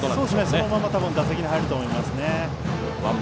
そのまま打席に入ると思いますね。